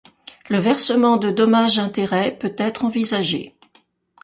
Le versement de dommages-intérêts peut être envisagé.